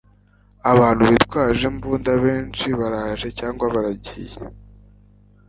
Abantu bitwaje imbunda benshi baraje cyangwa baragiye